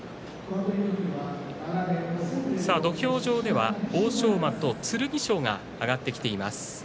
土俵上では欧勝馬と剣翔が上がってきています。